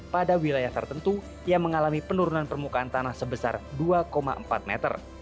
pada wilayah tertentu yang mengalami penurunan permukaan tanah sebesar dua empat meter